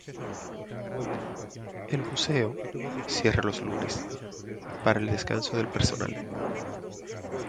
El museo, cierra los lunes, para descanso del personal.